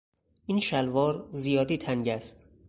این شلوار زیادی تنگ است.